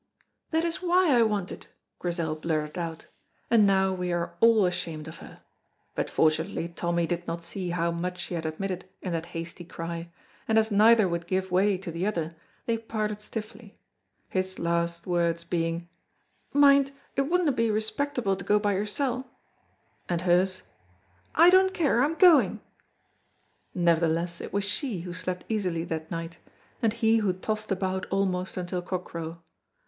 "That is why I want it," Grizel blurted out, and now we are all ashamed of her. But fortunately Tommy did not see how much she had admitted in that hasty cry, and as neither would give way to the other they parted stiffly, his last words being "Mind, it wouldna be respectable to go by yoursel'," and hers "I don't care, I'm going." Nevertheless it was she who slept easily that night, and he who tossed about almost until cockcrow.